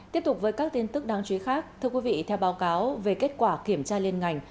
tiếp tục với các tin tức đáng chú ý khác thưa quý vị theo báo cáo về kết quả kiểm tra liên ngành